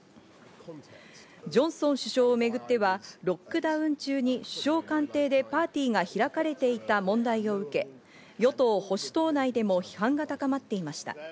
ジョンソン首相をめぐってはロックダウン中に首相官邸でパーティーが開かれていた問題を受け、与党・保守党内でも批判が高まっていました。